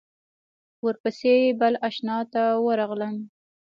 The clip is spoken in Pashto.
ورپسې بل آشنا ته ورغلم.